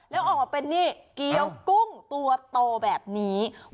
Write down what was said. แล้วออกมาเป็นนี่เกี้ยวกุ้งตัวโตแบบนี้